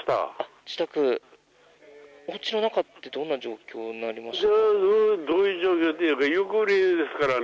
おうちの中ってどんな状況になりますか？